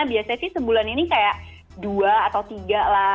biasanya sih sebulan ini kayak dua atau tiga lah